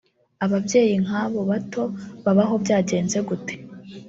Ababyeyi nk’ abo bato babaho byagenze gute